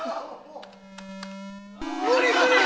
無理無理！